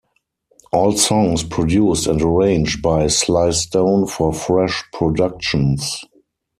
All songs produced and arranged by Sly Stone for Fresh Productions.